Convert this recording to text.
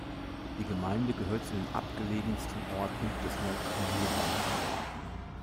Die Gemeinde gehört zu den abgelegensten Orten des nördlichen Juras.